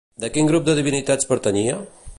De quin grup de divinitats pertanyia?